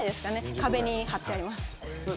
壁に貼ってあります。